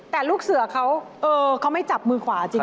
แต่ลูกเสือเขาเออเขาไม่จับมือขวาจริงว่ะ